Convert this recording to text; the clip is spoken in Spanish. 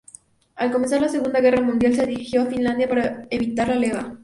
Al comenzar la Segunda Guerra Mundial se dirigió a Finlandia para evadir la leva.